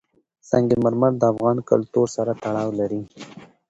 سنگ مرمر د افغان کلتور سره تړاو لري.